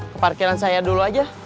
ke parkiran saya dulu aja